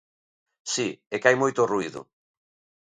Si, é que hai moito ruído.